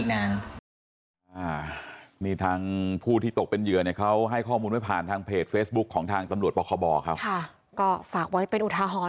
น่าจะอยู่อย่างนี้อีกนาน